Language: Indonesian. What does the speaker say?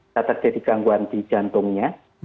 saat terjadi gangguan di jantungnya